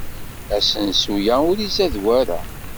Asensu-a ur izad wara.